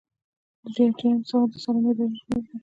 درې ایاتیام سوال د سالمې ادارې رول دی.